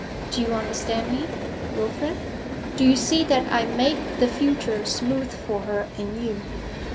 Do you understand me, Wilfrid? Do you see that I make the future smooth for her and you?